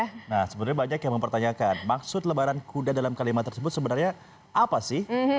nah sebenarnya banyak yang mempertanyakan maksud lebaran kuda dalam kalimat tersebut sebenarnya apa sih